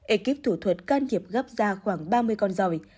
ekip thủ thuật can thiệp gấp da khoảng ba mươi con dòi